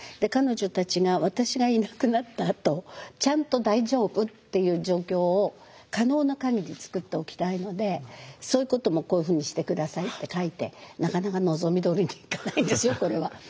彼女たちが私がいなくなったあとちゃんと大丈夫っていう状況を可能な限り作っておきたいのでそういうこともこういうふうにして下さいって書いてなかなか望みどおりにいかないんですよこれは。